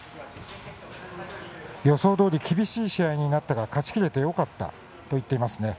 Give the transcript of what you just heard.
予想どおり厳しい試合になったが勝ちきれてよかったと言っていますね。